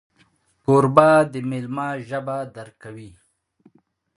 کوربه د میلمه ژبه درک کوي.